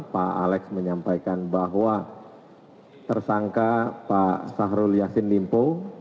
pak alex menyampaikan bahwa tersangka pak sahrul yassin limpo